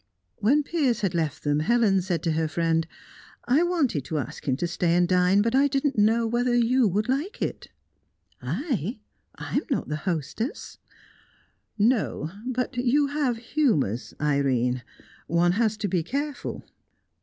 When Piers had left them, Helen said to her friend "I wanted to ask him to stay and dine but I didn't know whether you would like it." "I? I am not the hostess." "No, but you have humours, Irene. One has to be careful."